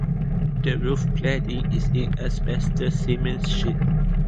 The roof cladding is in asbestos cement sheet.